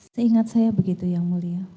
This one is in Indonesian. saya ingat saya begitu yang mulia